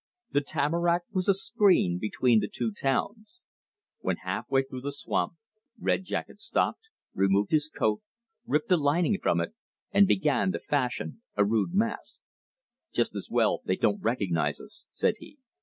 The tamarack was a screen between the two towns. When half way through the swamp, Red Jacket stopped, removed his coat, ripped the lining from it, and began to fashion a rude mask. "Just as well they don't recognize us," said he.